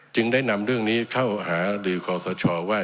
จึงได้นำเรื่องนี้เข้าหารือขอสชว่า